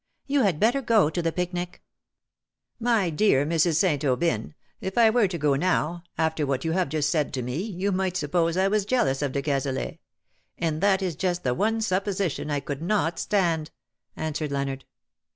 You had better go to the picnic.^' " My dear Mrs. St. Aubyn^ if I were to go now^ after what you have just said to me, you might suppose I was jealous of de Cazelet ; and that is just the one supposition I could not stand/' an swered Leonard.